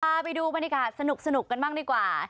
ไปดูสนุกกันบ้างดีกว่า